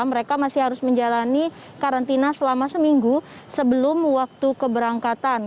mereka masih harus menjalani karantina selama seminggu sebelum waktu keberangkatan